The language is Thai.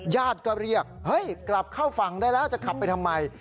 ญาติก็เรียกเฮ้ยกลับเข้าฝั่งได้แล้วจะขับไปทำไม